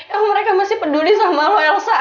kan mereka masih peduli sama lo elsa